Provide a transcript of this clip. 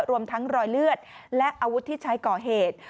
รวมทั้งรอยเลือดและอาวุธที่ใช้ก่อเหตุ